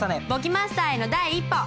簿記マスターへの第一歩。